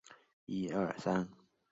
殿试登进士第三甲第三十名。